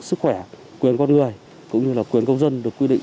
sức khỏe quyền con người cũng như là quyền công dân được quy định